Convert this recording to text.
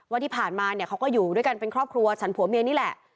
ว่าที่ผ่านมาเนี่ยเขาก็อยู่ด้วยกันเป็นครอบครัวฉันผัวเมียนี่แหละ